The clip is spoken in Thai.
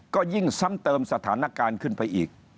ก็ยิ่งซ้ำเติมสถานการณ์ขึ้นไปอีก